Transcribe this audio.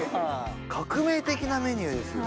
革命的なメニューですよ。